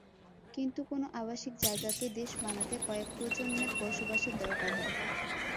কিন্তু কোনো আবাসিক জায়গাকে দেশ বানাতে কয়েক প্রজন্মের বসবাসের দরকার হয়।